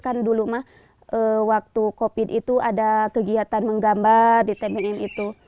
kan dulu mah waktu covid itu ada kegiatan menggambar di tbm itu